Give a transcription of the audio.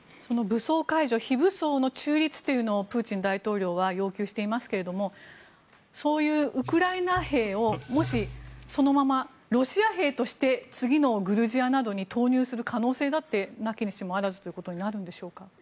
武装解除、非武装の中立というのをプーチン大統領は要求していますけれどもそういうウクライナ兵をそのままロシア兵として次のグルジアなどに投入する可能性だってなきにしもあらずとなるんでしょうか。